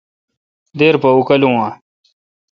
دیر پا اوکالوں ا۔